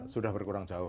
sudah berkurang jauh